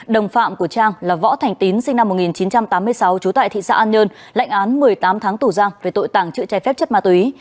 đồng phạm của trang là võ thành tín sinh năm một nghìn chín trăm tám mươi sáu trú tại thị xã an nhơn lệnh án một mươi tám tháng tù giam về tội tảng trự trái phép chất ma túy